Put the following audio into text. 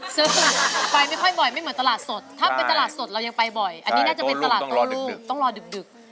เสียงฟูไปไม่ค่อยบ่อยไม่เหมือนตลาดสดมองบายกลับไปตลาดก็เหมือนจะมาตลาดตรงลูกต้องรอดึก